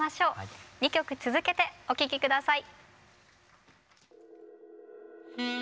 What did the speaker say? ２曲続けてお聴き下さい。